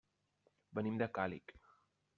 Venim de Càlig.